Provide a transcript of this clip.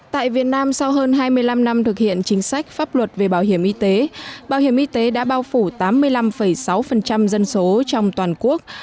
tại việt nam sau hơn hai mươi năm năm thực hiện chính sách pháp luật về bảo hiểm y tế bảo hiểm y tế đã bao phủ tám mươi năm sáu dân số trong toàn quốc